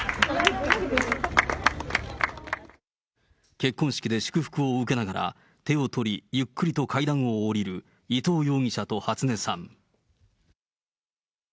結婚式で祝福を受けながら、手を取り、ゆっくりと階段を下りる伊藤容疑者と初音さん。